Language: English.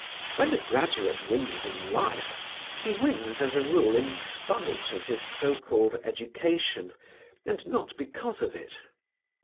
When the graduate wins in life he wins as a rule in spite of his so called education and not because of it.